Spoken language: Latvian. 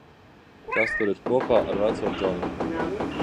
Kas tur ir kopā ar veco Džonu?